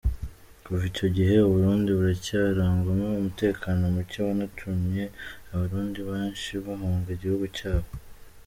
Kuva icyo gihe u Burundi buracyarangwamo umutekano muke wanatumye Abarundi besnhi bahunga igihugu cyabo.